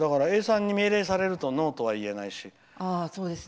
永さんに命令されるとノーとは言えないし。